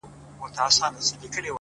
• زه مي د خیال په جنازه کي مرمه ,